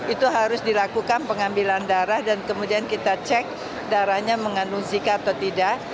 itu harus dilakukan pengambilan darah dan kemudian kita cek darahnya mengandung zika atau tidak